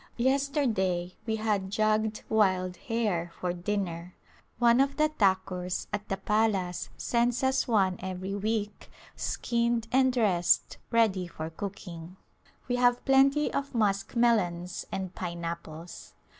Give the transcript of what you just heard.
Yesterday we had jugged wild hare for dinner. One of the Thakurs at the palace sends us one ever)^ week skinned and dressed ready for cooking. We have plenty of muskmelons and pineapples.